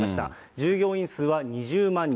従業員数は２０万人。